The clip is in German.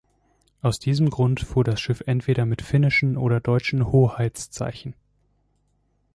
Aus diesem Grund fuhr das Schiff entweder mit finnischen oder deutschen Hoheitszeichen.